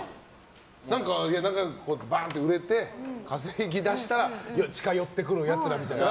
何か、バーンと売れて稼ぎ出したら近寄ってくるやつらみたいな。